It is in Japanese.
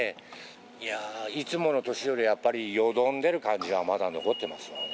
いやー、いつもの年よりやっぱり、よどんでる感じがまだ残っていますよね。